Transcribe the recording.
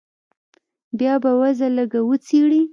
بيا به وضع لږه وڅېړې.